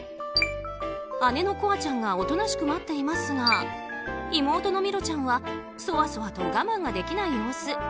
姉のこあちゃんがおとなしく待っていますが妹のミロちゃんはそわそわと我慢ができない様子。